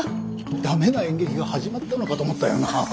ダメな演劇が始まったのかと思ったよなぁ。